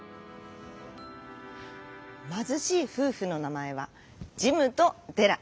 まずしいふうふのなまえはジムとデラ。